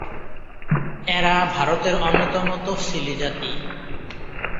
এরা ভারতের অন্যতম তফসিলি জাতি।